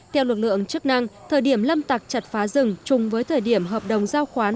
theo lực lượng chức năng thời điểm lâm tặc chặt phá rừng chung với thời điểm hợp đồng giao khoán